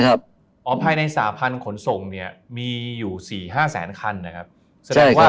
ก็ภายในสาพันธ์ขนสกรมีอยู่สี่ห้าแสนขันครับ